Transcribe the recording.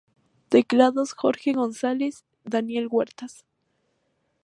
Teclados: Jorge Gonzales, Daniel Huertas.